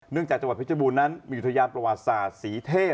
จากจังหวัดเพชรบูรณนั้นมีอุทยานประวัติศาสตร์ศรีเทพ